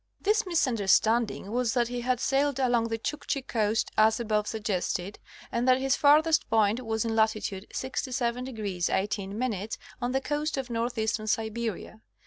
This misunderstanding was that he had sailed along the Chuk chi coast, as above suggested, and that his farthest point was in latitude 67° 18' on the coast of northeastern Siberia.